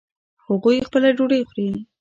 هغوی خپله ډوډۍ خوري